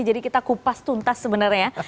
jadi kita kupas tuntas sebenarnya